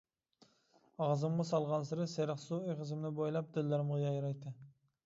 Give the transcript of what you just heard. ئاغزىمغا سالغانسېرى سېرىق سۇ ئېغىزىمنى بويلاپ دىللىرىمغا يايراتتى.